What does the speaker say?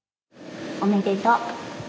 おめでとう。